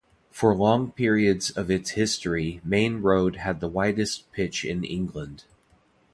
For long periods of its history Maine Road had the widest pitch in England.